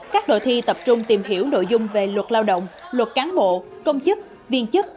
các đội thi tập trung tìm hiểu nội dung về luật lao động luật cán bộ công chức viên chức